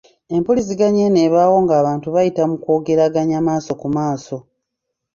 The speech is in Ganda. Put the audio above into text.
Empuliziganya eno ebaawo ng’abantu bayita mu kwogereganya maaso ku maaso.